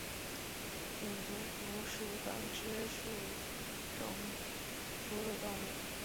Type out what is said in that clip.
胼足蝠属等之数种哺乳动物。